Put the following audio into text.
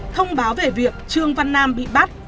thông báo về việc trương văn nam bị bắt